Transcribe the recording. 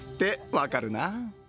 分かるなぁ。